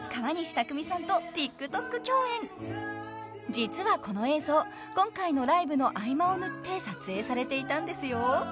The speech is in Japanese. ［実はこの映像今回のライブの合間を縫って撮影されていたんですよ］